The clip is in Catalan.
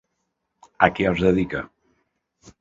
A què es dedicà?